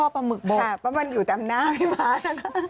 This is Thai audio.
ปลาหมึกอยู่ตามหน้าพี่ม้าย